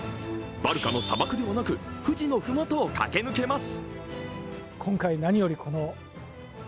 バルカの砂漠ではなく、富士の麓を駆け抜けます。